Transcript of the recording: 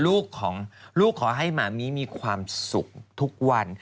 แล้วก็ลูกขอให้หมามีมีความสุขทุกวัน